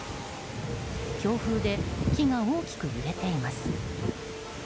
強風で木が大きく揺れています。